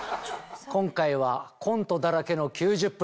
今回はコントだらけの９０分。